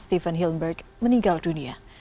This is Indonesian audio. steven hillenburg meninggal dunia